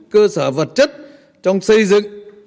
cơ sở vật chất trong xây dựng